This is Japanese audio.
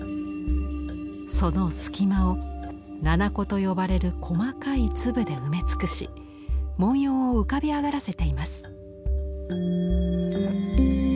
その隙間を魚々子と呼ばれる細かい粒で埋め尽くし文様を浮かび上がらせています。